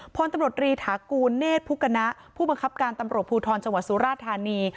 พลตำรวจรีถากูลเนธพุกณะผู้บังคับการตำรวจภูทรจังหวัดสุราธานี